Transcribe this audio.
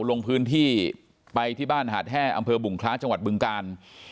ลงพื้นที่ไปที่บ้านหาดแห้อำเภอบุงคล้าจังหวัดบึงกาล